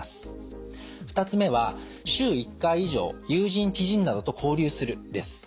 ２つ目は「週１回以上友人・知人などと交流する」です。